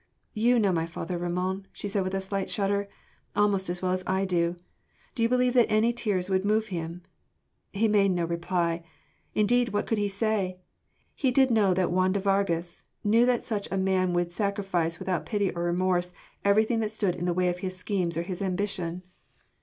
"You know my father, Ramon," she said with a slight shudder, "almost as well as I do. Do you believe that any tears would move him?" He made no reply. Indeed, what could he say? He did know Juan de Vargas, knew that such a man would sacrifice without pity or remorse everything that stood in the way of his schemes or of his ambition.